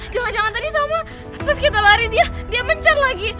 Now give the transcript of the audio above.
jangan jangan tadi salma pas kita lari dia dia mencar lagi